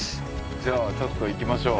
じゃあちょっと行きましょう。